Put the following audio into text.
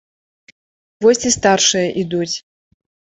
Вось і старшыя ідуць.